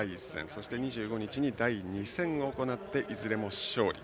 そして２５日、第２戦を行っていずれも勝利。